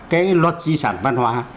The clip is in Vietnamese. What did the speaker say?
cái luật di sản văn hóa